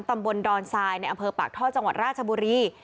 ตำบลดอนทรายในอำเภอปากท่อจังหวัดราชบุรี